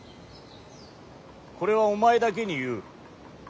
これはお前だけに言う。